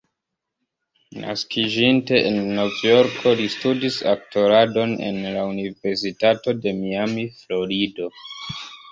Naskiĝinte en Novjorko, li studis aktoradon en la Universitato de Miami, Florido.